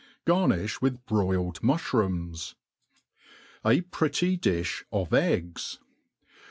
Garnifh with broiled mufhrooms, J pretty Dijb of Eggs.